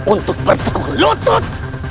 untuk bertukuk lutut